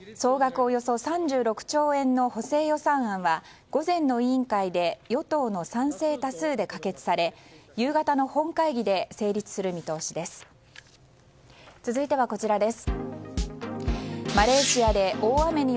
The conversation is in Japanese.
およそ３６兆円の補正予算案は午前の委員会で与党の賛成多数で可決され夕方の本会議で成立する見通しです。